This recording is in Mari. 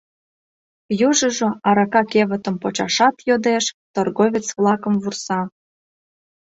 Южыжо арака кевытым почашат йодеш, торговец-влакым вурса.